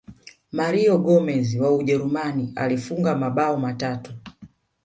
mario gomez wa ujerumani alifunga mabao matatu